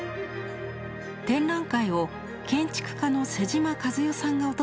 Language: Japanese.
展覧会を建築家の妹島和世さんが訪れていました。